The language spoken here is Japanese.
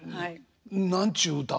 何ちゅう歌を？